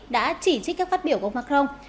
đã chỉ trích các phát biểu của ông macron